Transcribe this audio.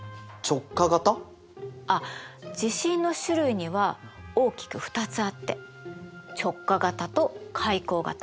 あっ地震の種類には大きく２つあって直下型と海溝型。